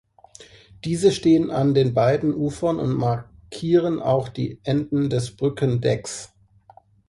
Diese stehen an den beiden Ufern und markieren auch die Enden des Brückendecks.